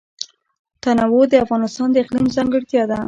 تنوع د افغانستان د اقلیم ځانګړتیا ده.